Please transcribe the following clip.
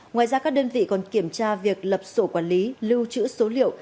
ngoài ra các đơn vị còn kiểm tra việc lập sổ quản lý lưu trữ số liệu